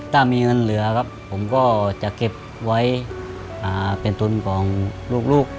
ถ้ามีเงินเหลือครับผมก็จะเก็บไว้เป็นทุนของลูก